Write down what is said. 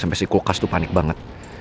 sampai si kulkas tuh panik banget